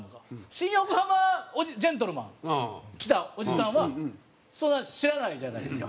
新横浜ジェントルマン来たおじさんはそんなの知らないじゃないですか。